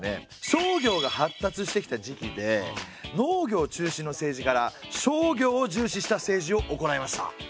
商業が発達してきた時期で農業中心の政治から商業を重視した政治を行いました。